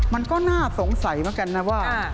มันก็น่าสงสัยเหมือนกันนะว่า